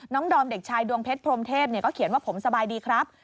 ดอมเด็กชายดวงเพชรพรมเทพก็เขียนว่าผมสบายดีครับ